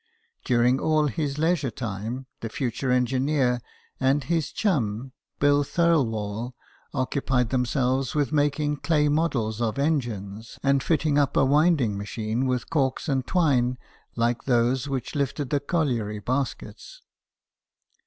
During all his leisure time, the future engineer and his chum Bill Thirlwall occupied themselves with making clay models of engines, and fitting up a winding machine with corks and twine like those which 32 BIOGRAPHIES OF WORKING MEN. lifted the colliery baskets.